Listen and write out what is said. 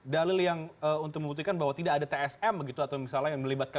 dalil yang untuk membuktikan bahwa tidak ada tsm begitu atau misalnya yang melibatkan